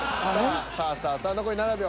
さあさあさあ残り７秒。